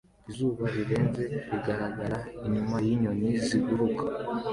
Izuba rirenze rigaragara inyuma yinyoni ziguruka